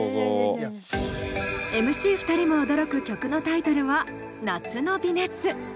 ＭＣ２人も驚く曲のタイトルは「夏の微熱」。